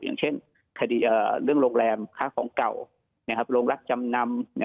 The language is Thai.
อย่างเช่นคดีเรื่องโรงแรมค้าของเก่าโรงรับจำนำ